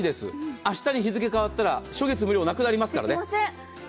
明日に日付変わったら初月無料ありませんからね。